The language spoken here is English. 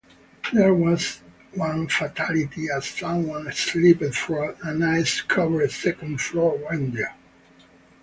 There was one fatality as someone slipped from an ice-covered second floor window.